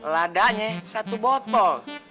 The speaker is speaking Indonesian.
ladanya satu botol